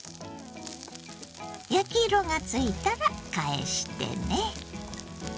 焼き色がついたら返してね。